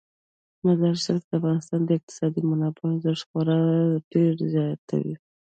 مزارشریف د افغانستان د اقتصادي منابعو ارزښت خورا ډیر زیاتوي.